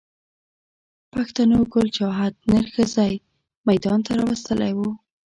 پښتنو ګل چاهت نر ښځی ميدان ته را وستلی و